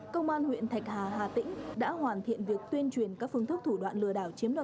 công an huyện thạch hà hà tĩnh đã hoàn thiện việc tuyên truyền các phương thức thủ đoạn lừa đảo chiếm đoạt